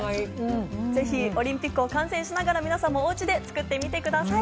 ぜひオリンピックを観戦しながら皆様、ぜひ、おうちで作ってみてください。